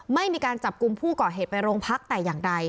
ไม่มีการจับกลุ่มผู้ก่อเหตุไปโรงพักแต่อย่างใด